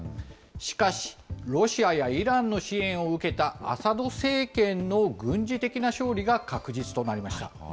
しかし、ロシアやイランの支援を受けたアサド政権の軍事的な勝利が確実となりました。